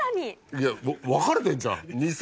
いや分かれてんじゃん。